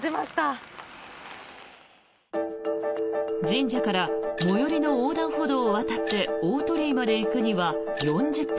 神社から最寄りの横断歩道を渡って大鳥居まで行くには４０分。